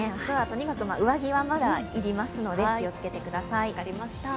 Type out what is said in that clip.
上着はまだ要りますので気を付けてください。